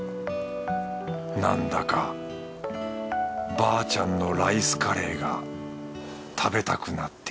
なんだかばあちゃんのライスカレーが食べたくなってきた